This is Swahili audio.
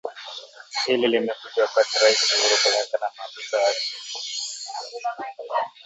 Hili limekuja wakati Raisi Uhuru Kenyatta na maafisa wake